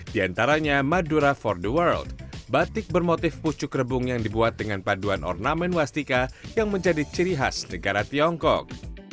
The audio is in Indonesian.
di antaranya madura for the world batik bermotif pucuk rebung yang dibuat dengan paduan ornamen wastika yang menjadi ciri khas negara tiongkok